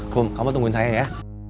kamu kamu tungguin saya ya